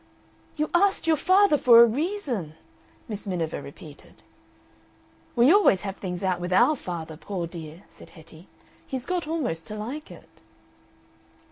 "You asked your father for a reason!" Miss Miniver repeated. "We always have things out with OUR father, poor dear!" said Hetty. "He's got almost to like it."